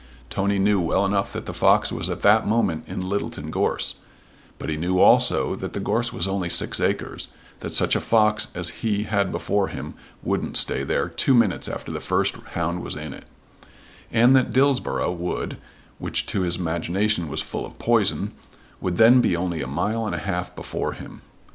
Tony knew well enough that the fox was at that moment in Littleton Gorse; but he knew also that the gorse was only six acres, that such a fox as he had before him wouldn't stay there two minutes after the first hound was in it, and that Dillsborough Wood, which to his imagination was full of poison, would then be only a mile and a half before him.